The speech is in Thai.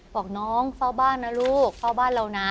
บอกน้องเฝ้าบ้านนะลูกเฝ้าบ้านเรานะ